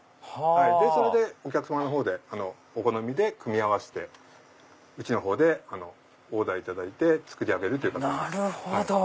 それでお客様のほうでお好みで組み合わせてうちのほうでオーダーいただいて作り上げるという形です。